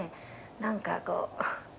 何かこう。